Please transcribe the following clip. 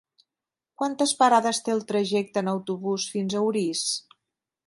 Quantes parades té el trajecte en autobús fins a Orís?